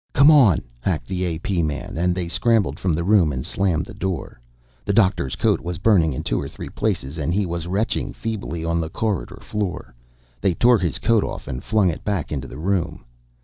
"Come on!" hacked the A.P. man, and they scrambled from the room and slammed the door. The doctor's coat was burning in two or three places, and he was retching feebly on the corridor floor. They tore his coat off and flung it back into the room.